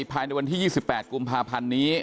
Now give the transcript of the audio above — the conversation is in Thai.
ภายในวันที่๒๘กุมภาพันธ์นี้